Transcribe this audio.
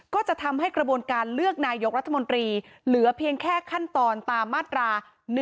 ก็จะทำให้กระบวนการเลือกนายกรัฐมนตรีเหลือเพียงแค่ขั้นตอนตามมาตรา๑๑